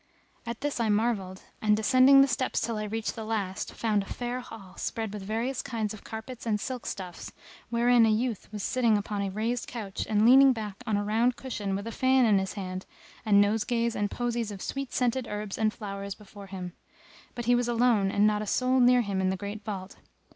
At this I marvelled and, descending the steps till I reached the last, found a fair hall, spread with various kinds of carpets and silk stuffs, wherein was a youth sitting upon a raised couch and leaning back on a round cushion with a fan in his hand and nosegays and posies of sweet scented herbs and flowers before him;[FN#266] but he was alone and not a soul near him in the great vault.